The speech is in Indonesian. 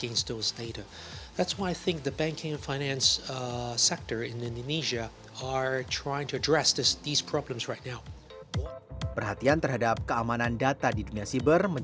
untuk memasang perlindungan keamanan yang tepat terhadap data tersebut